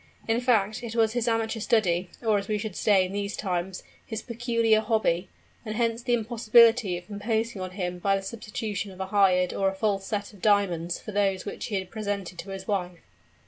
In fact, it was his amateur study, or, as we should say in these times, his peculiar hobby; and hence the impossibility of imposing on him by the substitution of a hired or a false set of diamonds for those which he had presented to his wife.